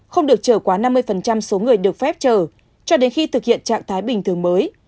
không được trở quá năm mươi số người được phép chở cho đến khi thực hiện trạng thái bình thường mới